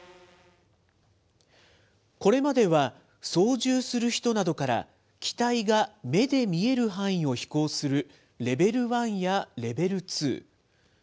これまでは操縦する人などから機体が目で見える範囲を飛行するレベル１やレベル２。